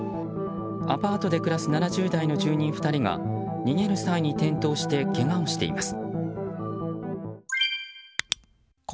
アパートで暮らす７０代の住人２人が逃げる際に転倒してけがをしています。